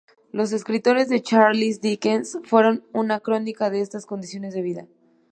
Los escritos de Charles Dickens fueron una crónica de estas condiciones de vida.